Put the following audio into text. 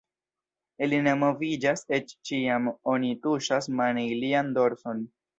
Ili ne moviĝas eĉ kiam oni tuŝas mane ilian dorson.